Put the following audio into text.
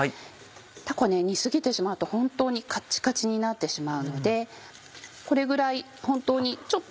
たこ煮過ぎてしまうと本当にカッチカチになってしまうのでこれぐらい本当にちょっと。